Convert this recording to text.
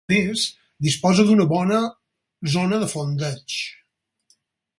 A més, disposa d'una bona zona de fondeig.